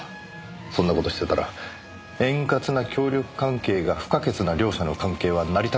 そんな事してたら円滑な協力関係が不可欠な両者の関係は成り立たなくなる。